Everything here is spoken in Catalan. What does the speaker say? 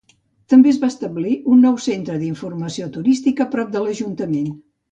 També es va establir un nou centre d'informació turística a prop de l'ajuntament.